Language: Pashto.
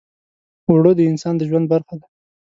اوړه د انسان د ژوند برخه ده